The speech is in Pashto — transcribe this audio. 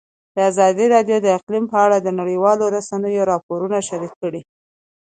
ازادي راډیو د اقلیم په اړه د نړیوالو رسنیو راپورونه شریک کړي.